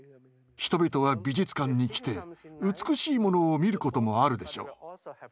人々は美術館に来て美しいものを見ることもあるでしょう。